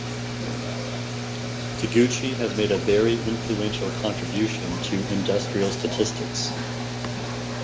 Taguchi has made a very influential contribution to industrial statistics.